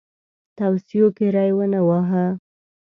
توصیو کې ری ونه واهه.